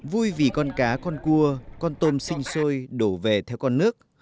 vui vì con cá con cua con tôm sinh sôi đổ về theo con nước